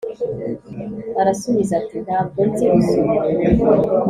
arasubiza ati «Nta bwo nzi gusoma.»